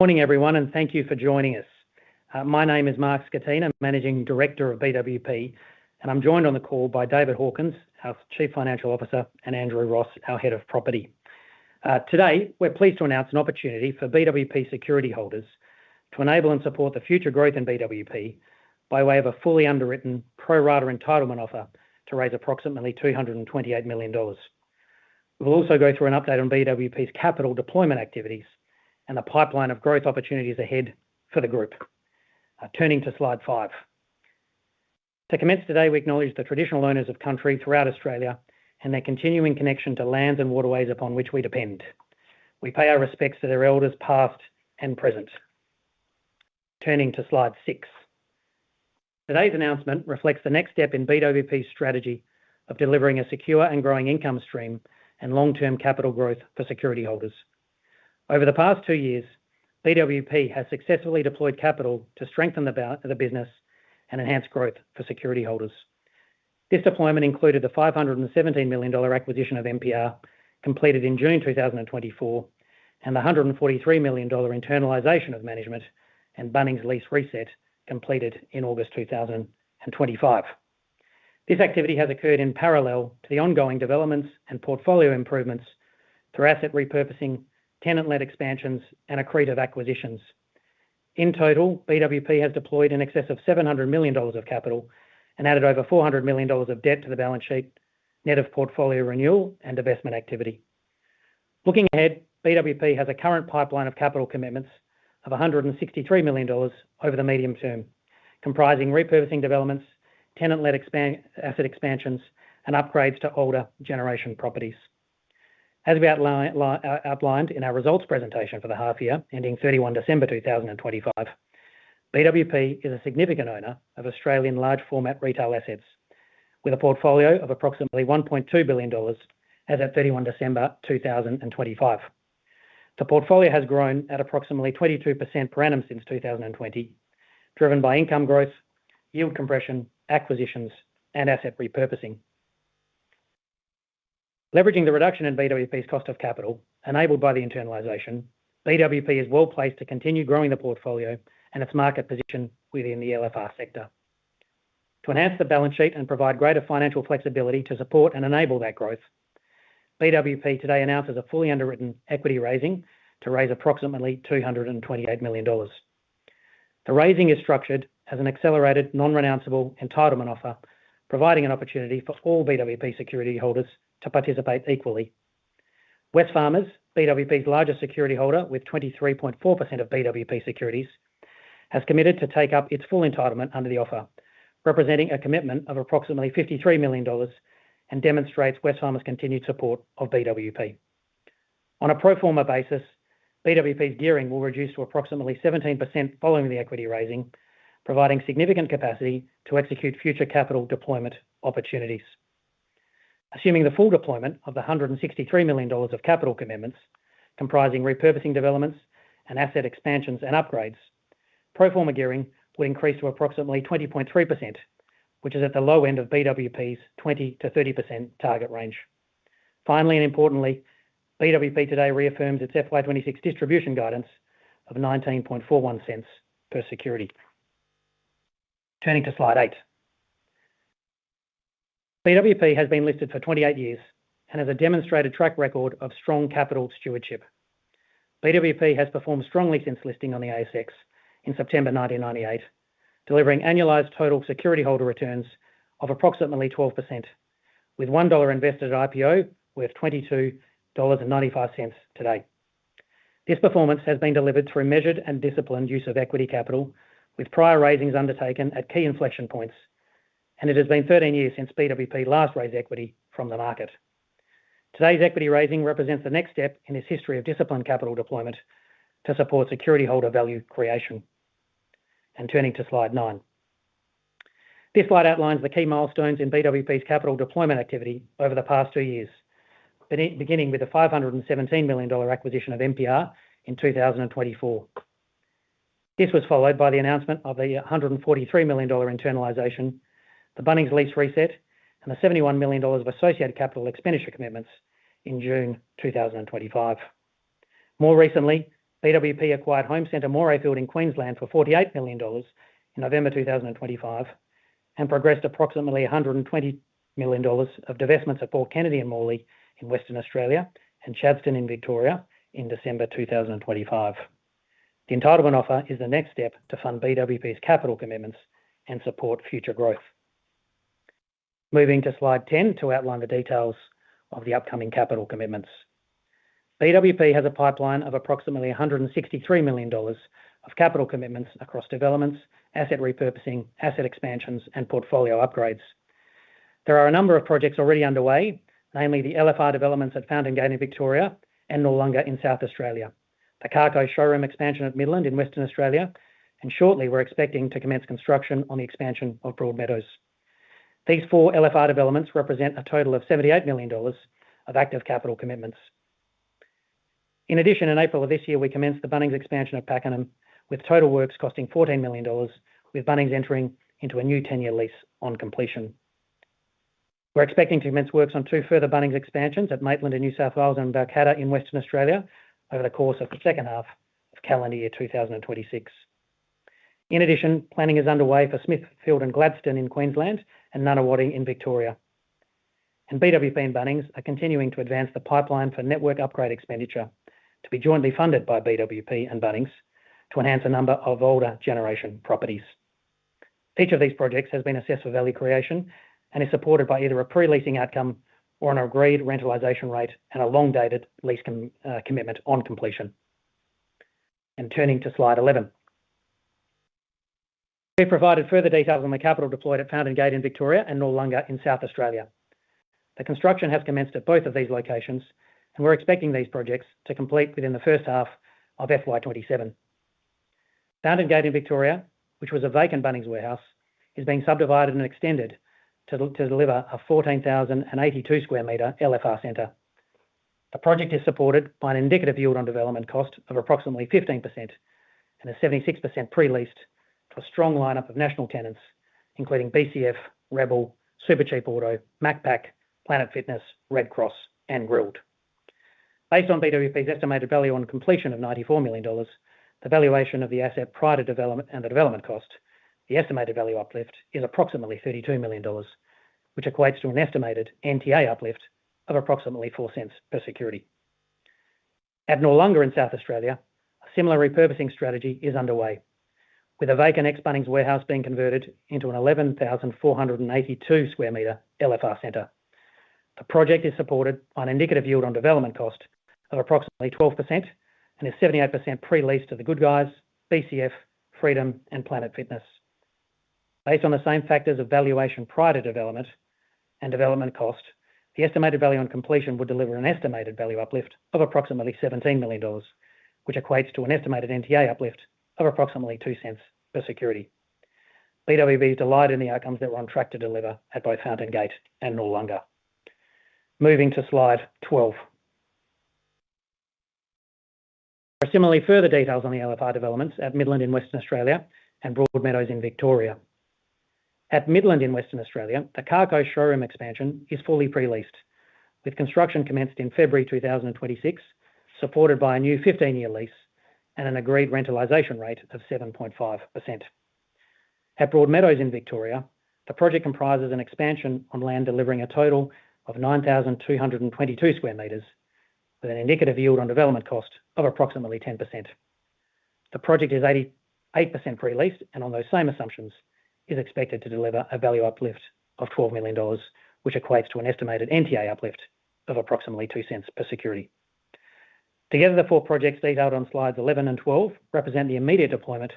Morning everyone, thank you for joining us. My name is Mark Scatena, I'm Managing Director of BWP, and I'm joined on the call by David Hawkins, our Chief Financial Officer, and Andrew Ross, our Head of Property. Today we're pleased to announce an opportunity for BWP security holders to enable and support the future growth in BWP by way of a fully underwritten pro rata entitlement offer to raise approximately 228 million dollars. We'll also go through an update on BWP's capital deployment activities and the pipeline of growth opportunities ahead for the group. Turning to slide five. To commence today, we acknowledge the traditional owners of country throughout Australia and their continuing connection to lands and waterways upon which we depend. We pay our respects to their elders, past and present. Turning to slide six. Today's announcement reflects the next step in BWP's strategy of delivering a secure and growing income stream and long-term capital growth for security holders. Over the past two years, BWP has successfully deployed capital to strengthen the business and enhance growth for security holders. This deployment included the 517 million dollar acquisition of NPR, completed in June 2024, and the 143 million dollar internalization of management and Bunnings lease reset completed in August 2025. This activity has occurred in parallel to the ongoing developments and portfolio improvements through asset repurposing, tenant-led expansions, and accretive acquisitions. In total, BWP has deployed in excess of 700 million dollars of capital and added over 400 million dollars of debt to the balance sheet, net of portfolio renewal and divestment activity. Looking ahead, BWP has a current pipeline of capital commitments of 163 million dollars over the medium term, comprising repurposing developments, tenant-led asset expansions, and upgrades to older generation properties. As we outlined in our results presentation for the half year ending 31 December 2025, BWP is a significant owner of Australian large format retail assets with a portfolio of approximately 1.2 billion dollars as at 31 December 2025. The portfolio has grown at approximately 22% per annum since 2020, driven by income growth, yield compression, acquisitions, and asset repurposing. Leveraging the reduction in BWP's cost of capital enabled by the internalization, BWP is well-placed to continue growing the portfolio and its market position within the LFR sector. To enhance the balance sheet and provide greater financial flexibility to support and enable that growth, BWP today announces a fully underwritten equity raising to raise approximately 228 million dollars. The raising is structured as an accelerated non-renounceable entitlement offer, providing an opportunity for all BWP security holders to participate equally. Wesfarmers, BWP's largest security holder with 23.4% of BWP securities, has committed to take up its full entitlement under the offer, representing a commitment of approximately 53 million dollars and demonstrates Wesfarmers' continued support of BWP. On a pro forma basis, BWP's gearing will reduce to approximately 17% following the equity raising, providing significant capacity to execute future capital deployment opportunities. Assuming the full deployment of the 163 million dollars of capital commitments comprising repurposing developments and asset expansions and upgrades, pro forma gearing will increase to approximately 20.3%, which is at the low end of BWP's 20%-30% target range. Importantly, BWP today reaffirms its FY 2026 distribution guidance of 0.1941 per security. Turning to slide eight. BWP has been listed for 28 years and has a demonstrated track record of strong capital stewardship. BWP has performed strongly since listing on the ASX in September 1998, delivering annualized total security holder returns of approximately 12%. With 1 dollar invested at IPO, we have 22.95 today. This performance has been delivered through measured and disciplined use of equity capital with prior raisings undertaken at key inflection points, and it has been 13 years since BWP last raised equity from the market. Today's equity raising represents the next step in its history of disciplined capital deployment to support security holder value creation. Turning to slide nine. This slide outlines the key milestones in BWP's capital deployment activity over the past two years, beginning with the 517 million dollar acquisition of NPR in 2024. This was followed by the announcement of an 143 million dollar internalization, the Bunnings lease reset, and the 71 million dollars of associated capital expenditure commitments in June 2025. More recently, BWP acquired HomeCentre Morayfield in Queensland for 48 million dollars in November 2025 and progressed approximately 120 million dollars of divestments at Port Kennedy in Morley in Western Australia and Chadstone in Victoria in December 2025. The entitlement offer is the next step to fund BWP's capital commitments and support future growth. Moving to slide 10 to outline the details of the upcoming capital commitments. BWP has a pipeline of approximately 163 million dollars of capital commitments across developments, asset repurposing, asset expansions, and portfolio upgrades. There are a number of projects already underway, namely the LFR developments at Fountain Gate in Victoria and Noarlunga in South Australia, the Carco showroom expansion at Midland in Western Australia, and shortly we're expecting to commence construction on the expansion of Broadmeadows. These four LFR developments represent a total of 78 million dollars of active capital commitments. In April of this year, we commenced the Bunnings expansion of Pakenham, with total works costing 14 million dollars, with Bunnings entering into a new 10-year lease on completion. We're expecting to commence works on two further Bunnings expansions at Maitland in New South Wales and Balcatta in Western Australia over the course of the second half of calendar year 2026. Planning is underway for Smithfield and Gladstone in Queensland and Nunawading in Victoria. BWP and Bunnings are continuing to advance the pipeline for network upgrade expenditure to be jointly funded by BWP and Bunnings to enhance a number of older generation properties. Each of these projects has been assessed for value creation and is supported by either a pre-leasing outcome or an agreed rentalization rate and a long-dated lease commitment on completion. Turning to slide 11. We've provided further details on the capital deployed at Fountain Gate in Victoria and Noarlunga in South Australia. The construction has commenced at both of these locations, and we're expecting these projects to complete within the first half of FY 2027. Fountain Gate in Victoria, which was a vacant Bunnings Warehouse, is being subdivided and extended to deliver a 14,082 sq m LFR center. The project is supported by an indicative yield on development cost of approximately 15% and is 76% pre-leased to a strong lineup of national tenants, including BCF, Rebel, Supercheap Auto, Macpac, Planet Fitness, Red Cross, and Grill'd. Based on BWP's estimated value on completion of 94 million dollars, the valuation of the asset prior to development and the development cost, the estimated value uplift is approximately 32 million dollars, which equates to an estimated NTA uplift of approximately 0.04 per security. At Noarlunga in South Australia, a similar repurposing strategy is underway, with a vacant ex-Bunnings Warehouse being converted into an 11,482 sq m LFR center. The project is supported by an indicative yield on development cost of approximately 12% and is 78% pre-leased to The Good Guys, BCF, Freedom, and Planet Fitness. Based on the same factors of valuation prior to development and development cost, the estimated value on completion would deliver an estimated value uplift of approximately 17 million dollars, which equates to an estimated NTA uplift of approximately 0.02 per security. BWP is delighted in the outcomes that we're on track to deliver at both Fountain Gate and Noarlunga. Moving to slide 12. Similarly, further details on the LFR developments at Midland in Western Australia and Broadmeadows in Victoria. At Midland in Western Australia, the Carco showroom expansion is fully pre-leased, with construction commenced in February 2026, supported by a new 15-year lease and an agreed rentalization rate of 7.5%. At Broadmeadows in Victoria, the project comprises an expansion on land delivering a total of 9,222 sq m with an indicative yield on development cost of approximately 10%. The project is 88% pre-leased and, on those same assumptions, is expected to deliver a value uplift of 12 million dollars, which equates to an estimated NTA uplift of approximately 0.02 per security. Together, the four projects detailed on slides 11 and 12 represent the immediate deployment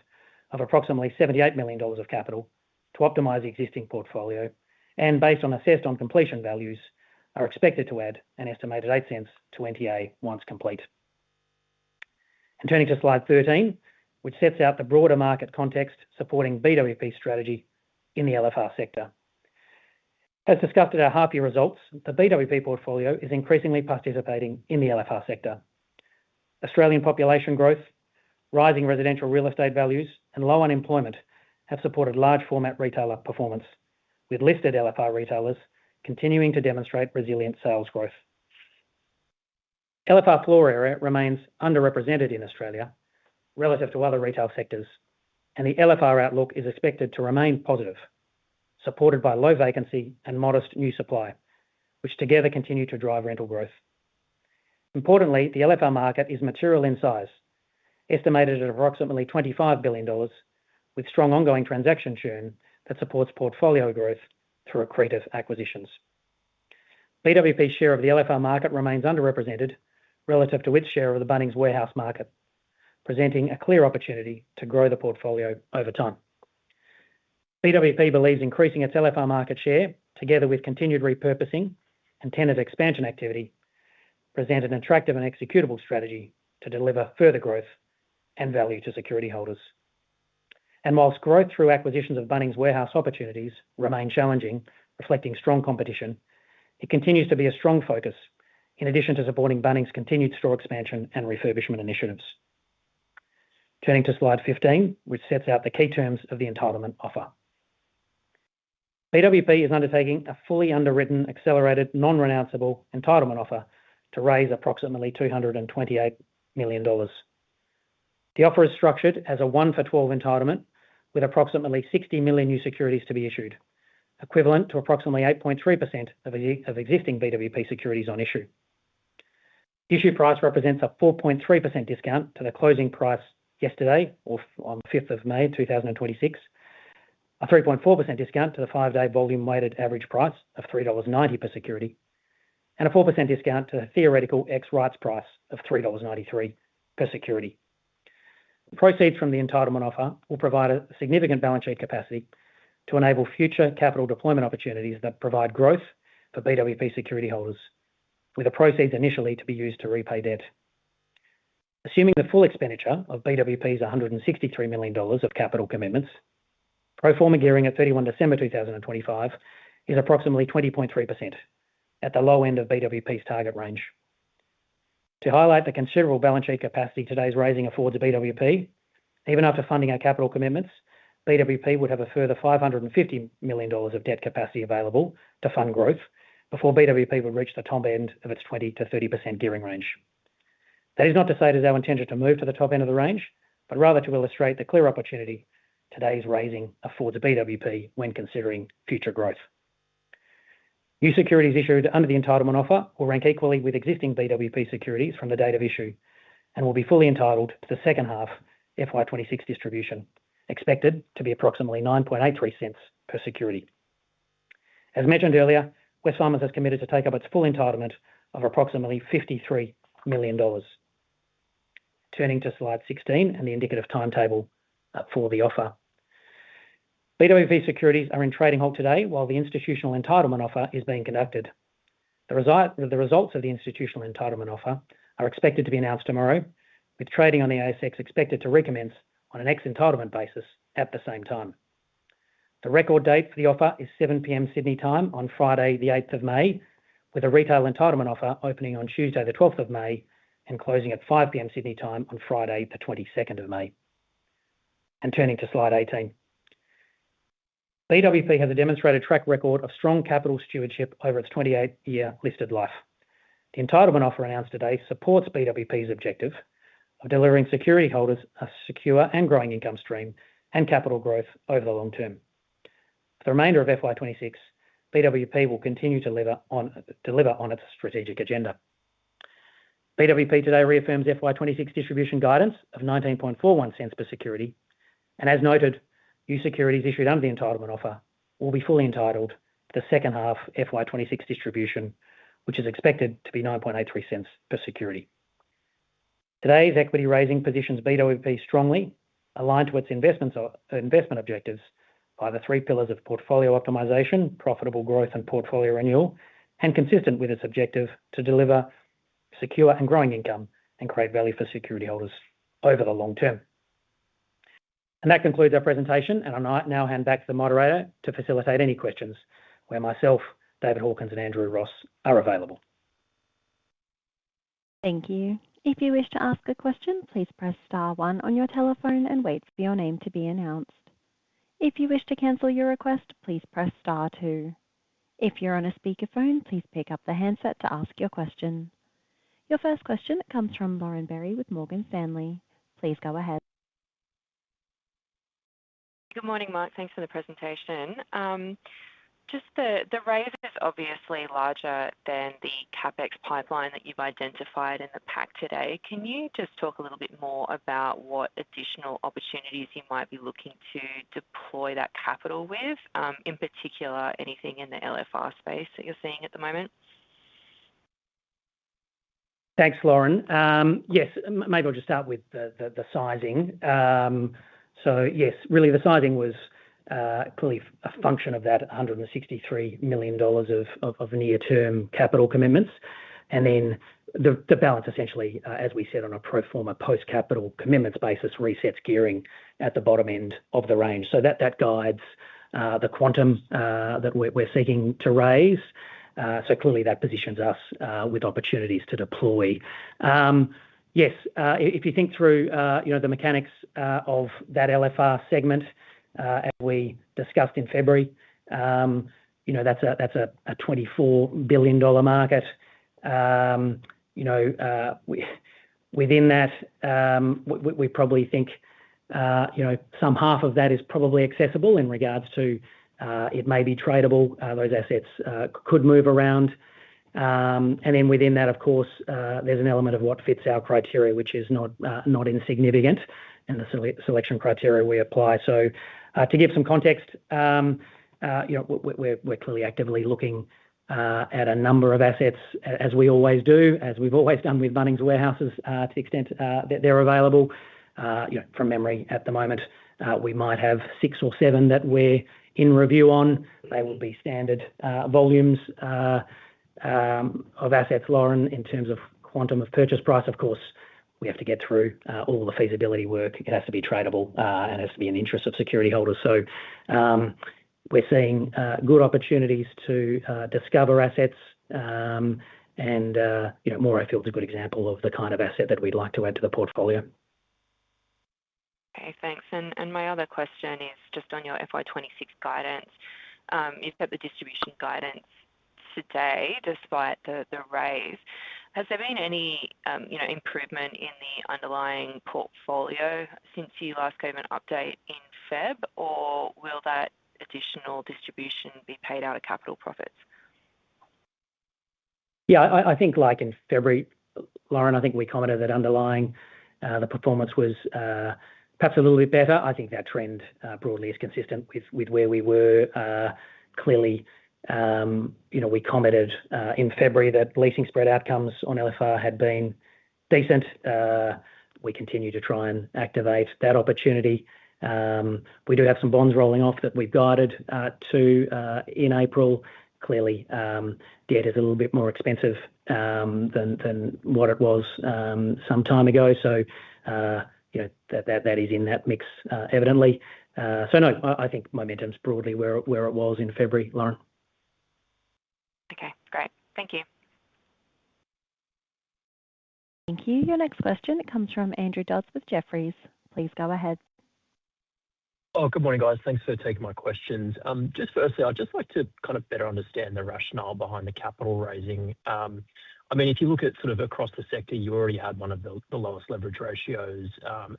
of approximately 78 million dollars of capital to optimize the existing portfolio and, based on assessed on completion values, are expected to add an estimated 0.08 to NTA once complete. Turning to slide 13, which sets out the broader market context supporting BWP Trust's strategy in the LFR sector. As discussed at our half-year results, the BWP Trust portfolio is increasingly participating in the LFR sector. Australian population growth, rising residential real estate values, and low unemployment have supported large format retailer performance, with listed LFR retailers continuing to demonstrate resilient sales growth. LFR floor area remains underrepresented in Australia relative to other retail sectors. The LFR outlook is expected to remain positive, supported by low vacancy and modest new supply, which together continue to drive rental growth. The LFR market is material in size, estimated at approximately 25 billion dollars, with strong ongoing transaction churn that supports portfolio growth through accretive acquisitions. BWP's share of the LFR market remains underrepresented relative to its share of the Bunnings Warehouse market, presenting a clear opportunity to grow the portfolio over time. BWP believes increasing its LFR market share, together with continued repurposing and tenant expansion activity, present an attractive and executable strategy to deliver further growth and value to security holders. Whilst growth through acquisitions of Bunnings Warehouse opportunities remain challenging, reflecting strong competition, it continues to be a strong focus in addition to supporting Bunnings' continued store expansion and refurbishment initiatives. Turning to slide 15, which sets out the key terms of the entitlement offer. BWP is undertaking a fully underwritten, accelerated, non-renounceable entitlement offer to raise approximately 228 million dollars. The offer is structured as a 1-for-12 entitlement with approximately 60 million new securities to be issued, equivalent to approximately 8.3% of existing BWP securities on issue. The issue price represents a 4.3% discount to the closing price yesterday or on 5th of May 2026, a 3.4% discount to the five-day volume weighted average price of 3.90 dollars per security, and a 4% discount to theoretical ex-rights price of 3.93 dollars per security. Proceeds from the entitlement offer will provide a significant balance sheet capacity to enable future capital deployment opportunities that provide growth for BWP security holders, with the proceeds initially to be used to repay debt. Assuming the full expenditure of BWP's 163 million dollars of capital commitments, pro forma gearing at 31 December 2025 is approximately 20.3%, at the low end of BWP's target range. To highlight the considerable balance sheet capacity today's raising affords BWP, even after funding our capital commitments, BWP would have a further 550 million dollars of debt capacity available to fund growth before BWP would reach the top end of its 20%-30% gearing range. That is not to say it is our intention to move to the top end of the range, rather to illustrate the clear opportunity today's raising affords BWP when considering future growth. New securities issued under the entitlement offer will rank equally with existing BWP securities from the date of issue, will be fully entitled to the second half FY 2026 distribution, expected to be approximately 0.0983 per security. As mentioned earlier, Wesfarmers has committed to take up its full entitlement of approximately 53 million dollars. Turning to slide 16 and the indicative timetable for the offer. BWP securities are in trading halt today while the institutional entitlement offer is being conducted. The results of the institutional entitlement offer are expected to be announced tomorrow, with trading on the ASX expected to recommence on an ex-entitlement basis at the same time. The record date for the offer is 7:00 P.M. Sydney time on Friday, the 8th of May, with a retail entitlement offer opening on Tuesday, the 12th of May, and closing at 5:00 P.M. Sydney time on Friday, the 22nd of May. Turning to slide 18. BWP has a demonstrated track record of strong capital stewardship over its 28-year listed life. The entitlement offer announced today supports BWP's objective of delivering security holders a secure and growing income stream and capital growth over the long term. For the remainder of FY26, BWP will continue to deliver on its strategic agenda. BWP today reaffirms FY 2026 distribution guidance of 0.1941 per security. As noted, new securities issued under the entitlement offer will be fully entitled to the second half FY 2026 distribution, which is expected to be 0.0983 per security. Today's equity raising positions BWP strongly aligned to its investment objectives by the three pillars of portfolio optimization, profitable growth and portfolio renewal, and consistent with its objective to deliver secure and growing income and create value for security holders over the long term. That concludes our presentation, I now hand back to the moderator to facilitate any questions where myself, David Hawkins and Andrew Ross are available. Thank you. Your first question comes from Lauren Berry with Morgan Stanley. Please go ahead. Good morning, Mark. Thanks for the presentation. Just the raise is obviously larger than the CapEx pipeline that you've identified in the pack today. Can you just talk a little bit more about what additional opportunities you might be looking to deploy that capital with? In particular, anything in the LFR space that you're seeing at the moment? Thanks, Lauren. Yes, maybe I'll just start with the sizing. Yes, really the sizing was clearly a function of that 163 million dollars of near-term capital commitments. The balance essentially, as we said, on a pro forma post-capital commitments basis, resets gearing at the bottom end of the range. That guides the quantum that we're seeking to raise. Clearly that positions us with opportunities to deploy. Yes, if you think through, you know, the mechanics of that LFR segment, as we discussed in February, you know, that's a 24 billion dollar market. You know, within that, we probably think, you know, some half of that is probably accessible in regards to it may be tradable, those assets could move around. Within that, of course, there's an element of what fits our criteria, which is not not insignificant in the selection criteria we apply. To give some context, we're clearly actively looking at a number of assets as we always do, as we've always done with Bunnings Warehouses, to the extent that they're available. You know, from memory at the moment, we might have six or seven that we're in review on. They will be standard volumes of assets, Lauren, in terms of quantum of purchase price. Of course, we have to get through all the feasibility work. It has to be tradable, and it has to be in interest of security holders. We're seeing good opportunities to discover assets. You know, Morayfield is a good example of the kind of asset that we'd like to add to the portfolio. Okay, thanks. My other question is just on your FY 2026 guidance. You've kept the distribution guidance today despite the raise. Has there been any, you know, improvement in the underlying portfolio since you last gave an update in February? Will that additional distribution be paid out of capital profits? Yeah, I think like in February, Lauren, I think we commented that underlying the performance was perhaps a little bit better. I think that trend broadly is consistent with where we were. Clearly, you know, we commented in February that leasing spread outcomes on LFR had been decent. We continue to try and activate that opportunity. We do have some bonds rolling off that we've guided to in April. Clearly, debt is a little bit more expensive than what it was some time ago. You know, that is in that mix evidently. No, I think momentum's broadly where it was in February, Lauren. Okay, great. Thank you. Thank you. Your next question comes from Andrew Dodds with Jefferies. Please go ahead. Good morning, guys. Thanks for taking my questions. Just firstly, I'd just like to kind of better understand the rationale behind the capital raising. I mean, if you look at sort of across the sector, you already had one of the lowest leverage ratios.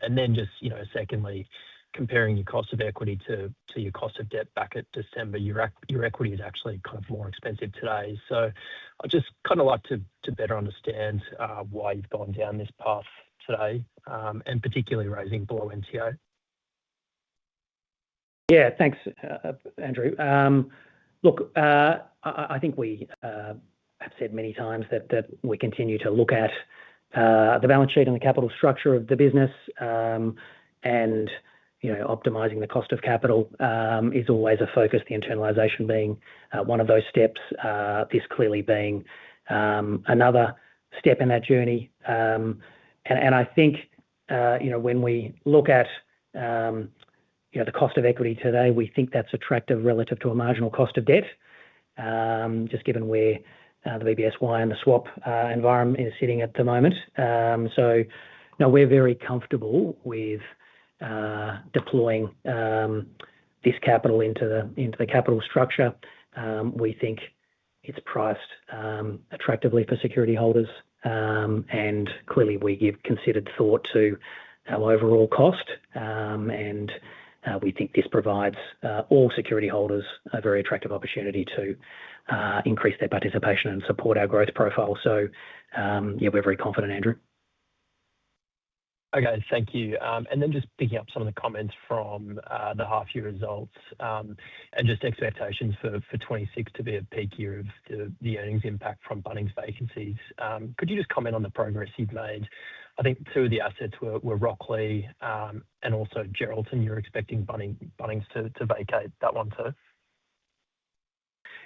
And then just, you know, secondly, comparing your cost of equity to your cost of debt back at December, your equity is actually kind of more expensive today. I'd just kind of like to better understand why you've gone down this path today, and particularly raising below NTA. Thanks, Andrew. I think we have said many times that we continue to look at the balance sheet and the capital structure of the business. You know, optimizing the cost of capital is always a focus, the internalization being one of those steps, this clearly being another step in that journey. I think, you know, when we look at, you know, the cost of equity today, we think that's attractive relative to a marginal cost of debt, just given where the BBSY and the swap environment is sitting at the moment. No, we're very comfortable with deploying this capital into the capital structure. We think it's priced attractively for security holders. Clearly we give considered thought to our overall cost. We think this provides all security holders a very attractive opportunity to increase their participation and support our growth profile. Yeah, we're very confident, Andrew. Okay. Thank you. Just picking up some of the comments from the half year results, and just expectations for 2026 to be a peak year of the earnings impact from Bunnings vacancies. Could you just comment on the progress you've made? I think two of the assets were Rocklea, and also Geraldton. You're expecting Bunnings to vacate that one too.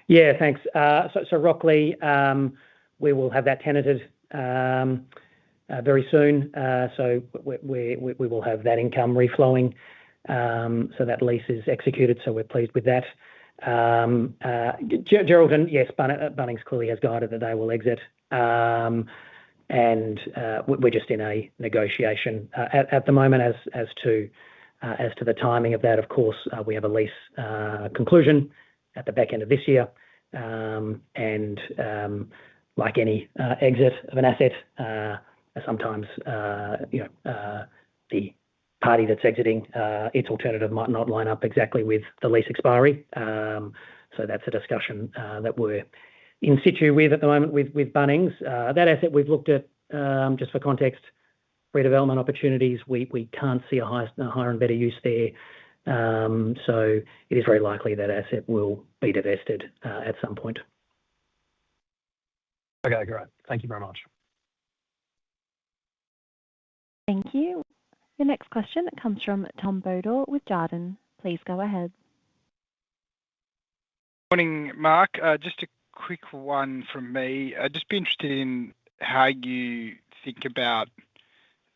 Yeah. Thanks. So Rocklea, we will have that tenanted very soon. We will have that income reflowing, so that lease is executed, so we're pleased with that. Geraldton, yes, Bunnings clearly has guided that they will exit. We're just in a negotiation at the moment as to the timing of that. Of course, we have a lease conclusion at the back end of this year. Like any exit of an asset, sometimes, you know, the party that's exiting, its alternative might not line up exactly with the lease expiry. That's a discussion that we're in situ with at the moment with Bunnings. That asset we've looked at, just for context, redevelopment opportunities. We can't see a higher and better use there. It is very likely that asset will be divested at some point. Okay, great. Thank you very much. Thank you. The next question comes from Tom Bodor with Jarden. Please go ahead. Morning, Mark. Just a quick one from me. I'd just be interested in how you think about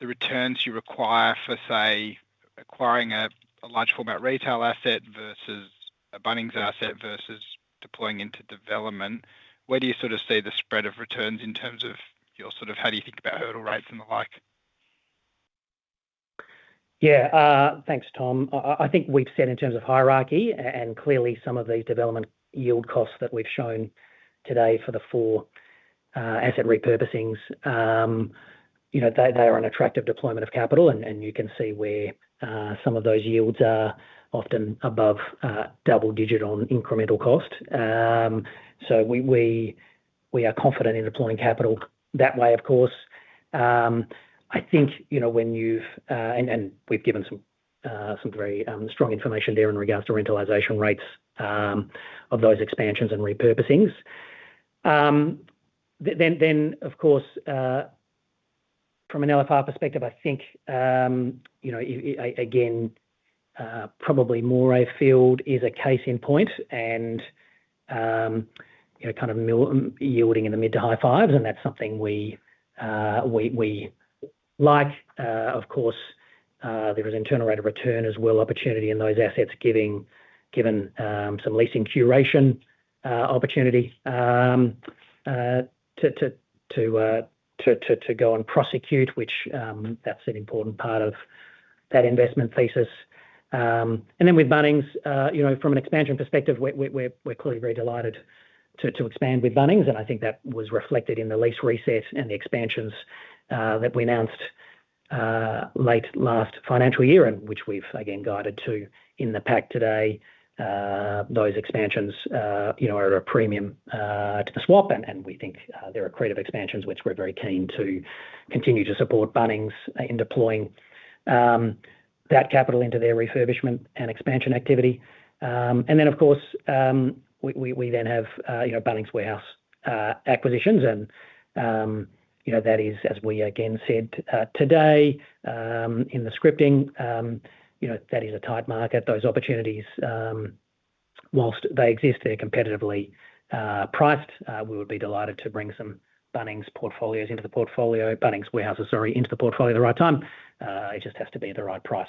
the returns you require for, say, acquiring a large format retail asset versus a Bunnings asset versus deploying into development. Where do you sort of see the spread of returns in terms of your sort of how do you think about hurdle rates and the like? Yeah. Thanks, Tom. I think we've said in terms of hierarchy and clearly some of these development yield costs that we've shown today for the four asset repurposings, you know, they are an attractive deployment of capital and you can see where some of those yields are often above double-digit on incremental cost. We are confident in deploying capital that way, of course. I think, you know, we've given some very strong information there in regards to rentalization rates of those expansions and repurposings. Of course, from an LFR perspective, I think, again, probably Morayfield is a case in point and, kind of yielding in the mid-to-high fives, and that's something we like. Of course, there is internal rate of return as well, opportunity in those assets giving, given some leasing curation opportunity to go and prosecute, which, that's an important part of that investment thesis. With Bunnings, from an expansion perspective, we're clearly very delighted to expand with Bunnings, and I think that was reflected in the lease reset and the expansions that we announced late last financial year and which we've again guided to in the pack today. Those expansions, you know, are a premium to the swap and we think they're accretive expansions, which we're very keen to continue to support Bunnings in deploying that capital into their refurbishment and expansion activity. Of course, we then have, you know, Bunnings Warehouse acquisitions, and, you know, that is, as we again said today, in the scripting, you know, that is a tight market. Those opportunities, whilst they exist, they're competitively priced. We would be delighted to bring some Bunnings portfolios into the portfolio, Bunnings Warehouses, sorry, into the portfolio at the right time. It just has to be at the right price,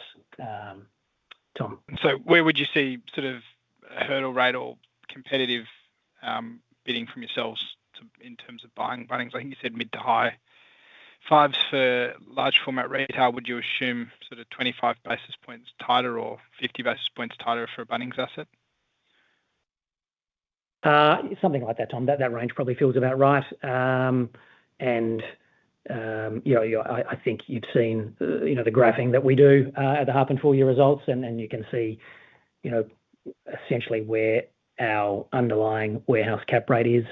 Tom. Where would you see sort of a hurdle rate or competitive bidding from yourselves in terms of buying Bunnings? I think you said mid to high fives for large format retail. Would you assume sort of 25 basis points tighter or 50 basis points tighter for a Bunnings asset? Something like that, Tom. That range probably feels about right. You know, I think you'd seen, you know, the graphing that we do at the half and full year results and you can see, you know, essentially where our underlying warehouse cap rate is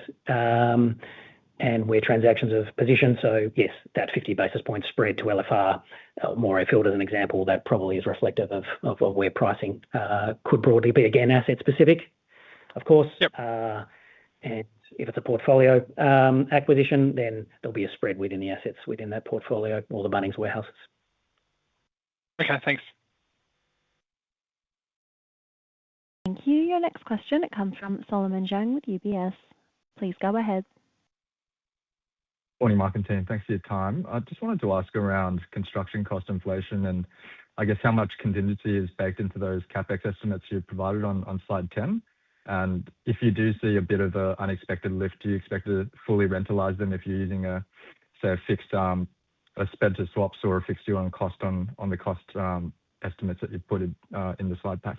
and where transactions have positioned. Yes, that 50 basis points spread to LFR, Morayfield as an example, that probably is reflective of where pricing could broadly be. Again, asset specific, of course. Yep. If it's a portfolio acquisition, then there'll be a spread within the assets within that portfolio or the Bunnings warehouses. Okay, thanks. Thank you. Your next question comes from Solomon Zhang with UBS. Please go ahead. Morning, Mark and team. Thanks for your time. I just wanted to ask around construction cost inflation and I guess how much contingency is baked into those CapEx estimates you've provided on slide 10. If you do see a bit of a unexpected lift, do you expect to fully rentalize them if you're using a say a fixed spend to swaps or a fixed to own cost on the cost estimates that you've put in in the slide pack?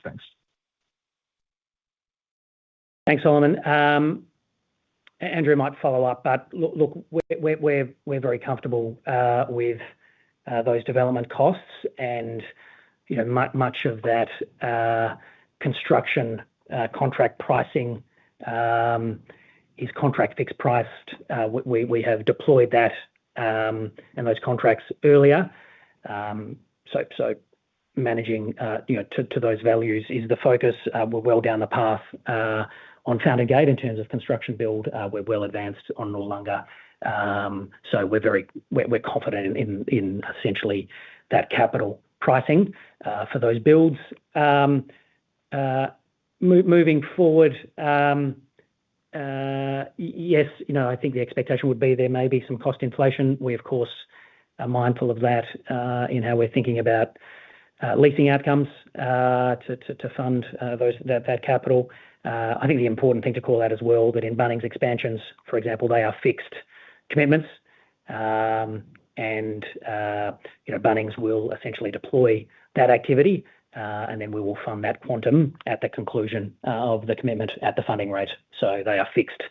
Thanks. Thanks, Solomon. Andrew might follow up, look, we're very comfortable with those development costs and, you know, much of that construction contract pricing is contract fixed priced. We have deployed that and those contracts earlier. Managing, you know, to those values is the focus. We're well down the path on Fountain Gate in terms of construction build. We're well advanced on Noarlunga. We're very confident in essentially that capital pricing for those builds. Moving forward, yes, you know, I think the expectation would be there may be some cost inflation. We of course are mindful of that in how we're thinking about leasing outcomes to fund that capital. I think the important thing to call out as well that in Bunnings expansions, for example, they are fixed commitments. You know, Bunnings will essentially deploy that activity, and then we will fund that quantum at the conclusion of the commitment at the funding rate. They are fixed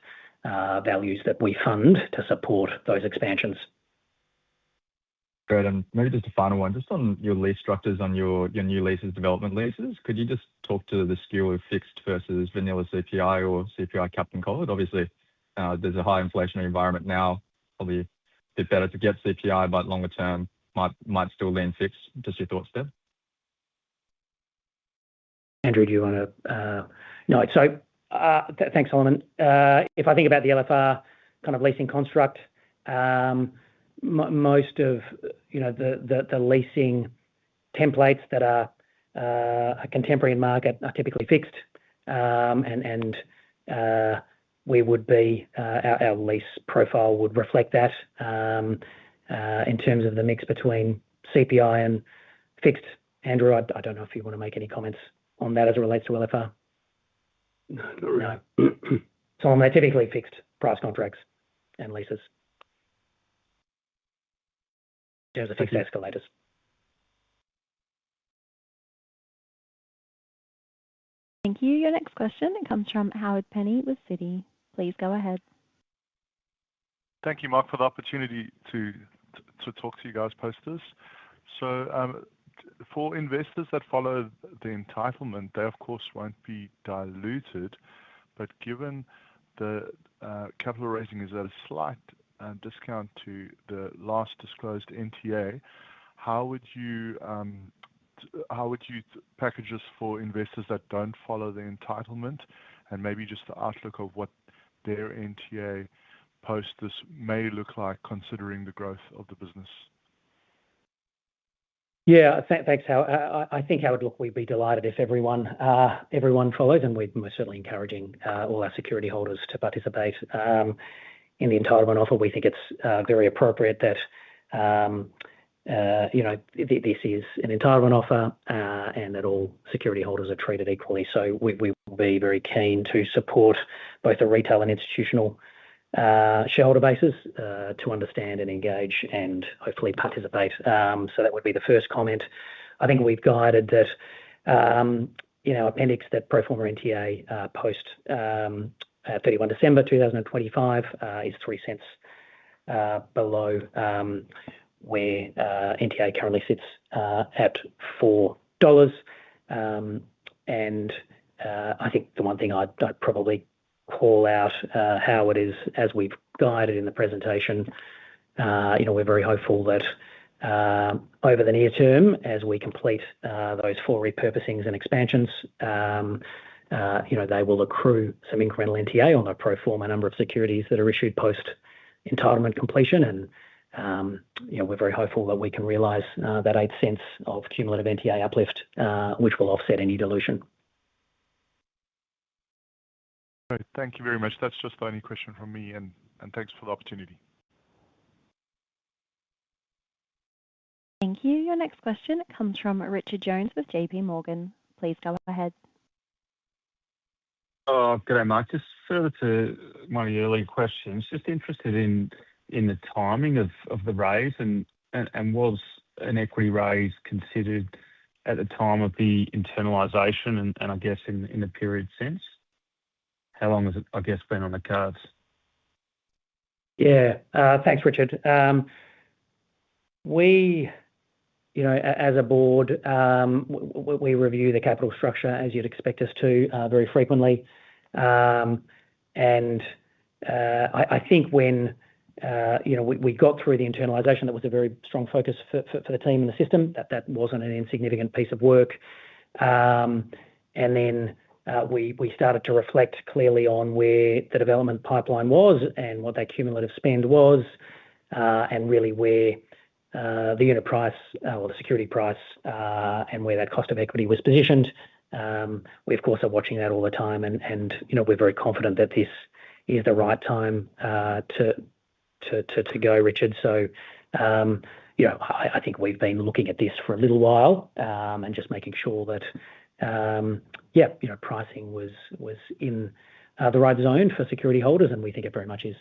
values that we fund to support those expansions. Great. Maybe just a final one just on your lease structures on your new leases, development leases. Could you just talk to the skew of fixed versus vanilla CPI or CPI capped and collared? Obviously, there's a high inflationary environment now, probably a bit better to get CPI, but longer term might still lean fixed. Just your thoughts there. Andrew, do you wanna? No. Thanks, Solomon. If I think about the LFR kind of leasing construct, most of, you know, the, the leasing templates that are a contemporary market are typically fixed. We would be, our lease profile would reflect that in terms of the mix between CPI and fixed. Andrew, I don't know if you wanna make any comments on that as it relates to LFR. No, not really. No. On that typically fixed price contracts and leases, those are fixed escalators. Thank you. Your next question comes from Howard Penny with Citi. Please go ahead. Thank you, Mark, for the opportunity to talk to you guys post this. For investors that follow the entitlement, they of course won't be diluted. Given the capital raising is at a slight discount to the last disclosed NTA, how would you package this for investors that don't follow the entitlement and maybe just the outlook of what their NTA post this may look like considering the growth of the business? Thanks, Howard. I think, Howard, look, we'd be delighted if everyone follows, we're certainly encouraging all our security holders to participate in the entitlement offer. We think it's very appropriate that, you know, this is an entitlement offer, that all security holders are treated equally. We would be very keen to support both the retail and institutional shareholder bases to understand and engage and hopefully participate. That would be the first comment. I think we've guided that, you know, appendix that pro forma NTA, post 31 December 2025, is 0.03 below where NTA currently sits at 4.00 dollars. I think the one thing I'd probably call out, Howard, is as we've guided in the presentation, we're very hopeful that over the near term as we complete those four repurposings and expansions, they will accrue some incremental NTA on their pro forma number of securities that are issued post-entitlement completion. We're very hopeful that we can realize that 0.08 of cumulative NTA uplift, which will offset any dilution. Great. Thank you very much. That's just the only question from me, and thanks for the opportunity. Thank you. Your next question comes from Richard Jones with JPMorgan. Please go ahead. Oh, good day, Mark. Just further to one of your earlier questions, just interested in the timing of the raise and, and was an equity raise considered at the time of the internalization and I guess in the period since, how long has it, I guess, been on the cards? Thanks, Richard. We, you know, as a board, we review the capital structure, as you'd expect us to, very frequently. I think when, you know, we got through the internalization, that was a very strong focus for the team and the system. That wasn't an insignificant piece of work. We started to reflect clearly on where the development pipeline was and what that cumulative spend was, and really where the unit price or the security price, and where that cost of equity was positioned. We of course are watching that all the time and, you know, we're very confident that this is the right time to go, Richard. You know, I think we've been looking at this for a little while, and just making sure that, you know, pricing was in the right zone for security holders and we think it very much is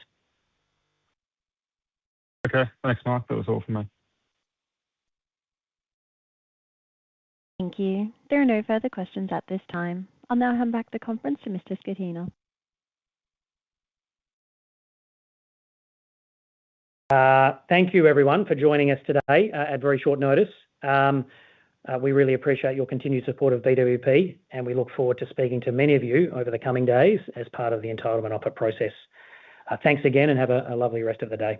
Okay. Thanks, Mark. That was all from me. Thank you. There are no further questions at this time. I'll now hand back the conference to Mr. Scatena. Thank you everyone for joining us today at very short notice. We really appreciate your continued support of BWP, and we look forward to speaking to many of you over the coming days as part of the entitlement offer process. Thanks again and have a lovely rest of the day.